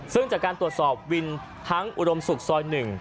ซึ่งจากการตรวจสอบวินทั้งอุดมศุกร์ซอย๑